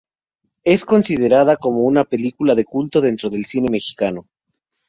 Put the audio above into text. Es considerada como una película de culto dentro del Cine mexicano.